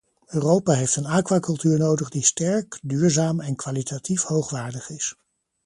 Europa heeft een aquacultuur nodig die sterk, duurzaam en kwalitatief hoogwaardig is.